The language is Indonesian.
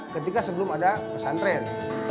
ketika sebelum ada pesantren